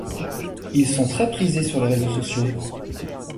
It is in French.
ils sont très prisés sur les réseaux sociaux.